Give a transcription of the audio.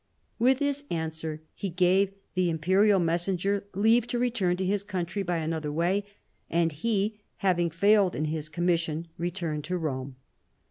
With this answer he gave the imperial messenger leave to return to his country by another way, and he having failed in his commission returned to Rome."